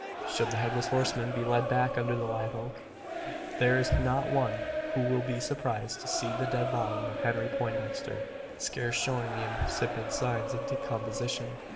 Should the Headless Horseman be led back under the live oak, there is not one who will be surprised to see the dead body of Henry Poindexter scarce showing the incipient signs of decomposition.